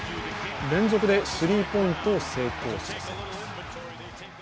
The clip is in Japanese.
連続でスリーポイントを成功させます。